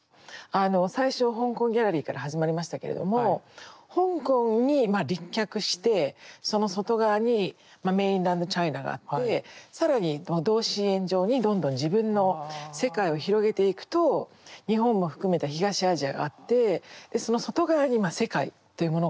最初香港ギャラリーから始まりましたけれども香港にまあ立脚してその外側にメインランドチャイナがあって更に同心円状にどんどん自分の世界を広げていくと日本も含めた東アジアがあってその外側にまあ世界というものがあるっていう。